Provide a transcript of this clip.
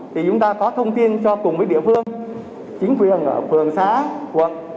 thì chúng ta có thông tin cho cùng với địa phương chính quyền ở phường xã quận